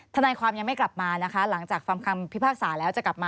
ทนายความยังไม่กลับมานะคะ